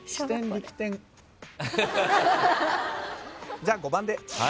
じゃあ５番で。